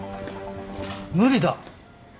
無理だ。